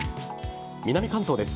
南関東です。